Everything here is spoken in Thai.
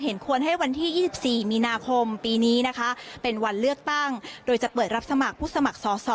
ควรให้วันที่๒๔มีนาคมปีนี้นะคะเป็นวันเลือกตั้งโดยจะเปิดรับสมัครผู้สมัครสอสอ